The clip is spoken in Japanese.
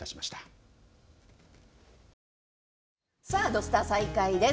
「土スタ」再開です。